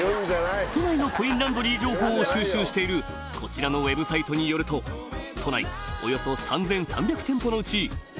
都内のコインランドリー情報を収集しているこちらのウェブサイトによるとあるようだ